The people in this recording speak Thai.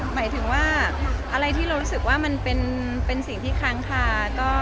หมายถึงว่าอะไรที่เรารู้สึกว่ามันเป็นสิ่งที่ค้างคา